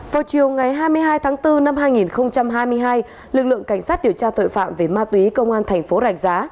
vào chiều ngày hai mươi hai tháng bốn năm hai nghìn hai mươi hai lực lượng cảnh sát điều tra tội phạm về ma túy công an thành phố rạch giá